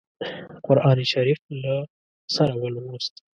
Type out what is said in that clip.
قرآن شریف له سره ولووست.